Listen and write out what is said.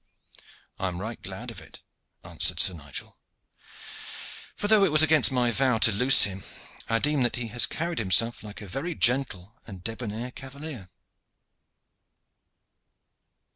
"I am right glad of it," answered Sir Nigel; "for though it was against my vow to loose him, I deem that he has carried himself like a very gentle and debonnaire cavalier."